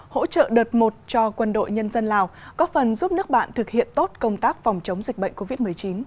hỗ trợ đợt một cho quân đội nhân dân lào có phần giúp nước bạn thực hiện tốt công tác phòng chống dịch bệnh covid một mươi chín